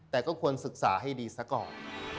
แต่ก็ควรศึกษาให้ดีซะก่อน